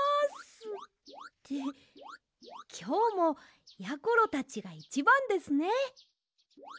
ってきょうもやころたちがいちばんですね。